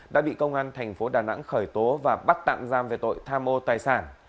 đã bị công an thành phố đà nẵng khởi tố và bắt tạm giam về tội tham ô tài sản